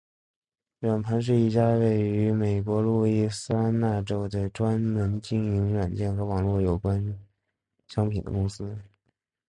软盘是一家位于美国路易斯安那州的专门经营软件和网络有关商品的公司。